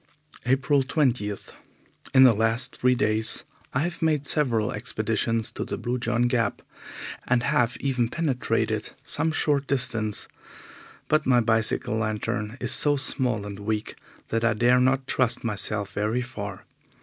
April 20. In the last three days I have made several expeditions to the Blue John Gap, and have even penetrated some short distance, but my bicycle lantern is so small and weak that I dare not trust myself very far.